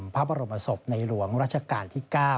พระบรมศพในหลวงรัชกาลที่๙